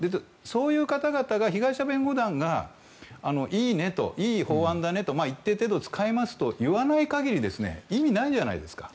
そういう方々被害者弁護団がいい法案だね一定程度使えますと言わない限り意味ないじゃないですか。